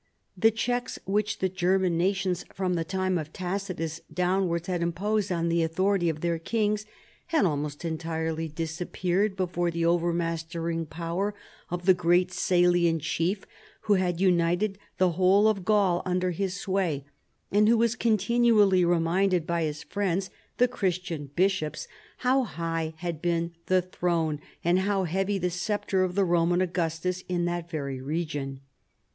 The checks which the German nations from the time of Tacitus downwards had imposed on the authority of their kings had almost entirely disappeared before the overmastering power of the great Salian chief who had united the whole of Gaul under his sway, and who was continually reminded by his friends, the Christian bishops, how high had been the throne and how heavy the sceptre of the Roman Augustus in that very region.